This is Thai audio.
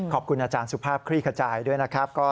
ขอบคุณอาจารย์สุภาพคลี่ขจายด้วยนะครับ